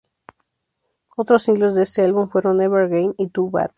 Otros singles de este álbum fueron "Never Again" y "Too Bad".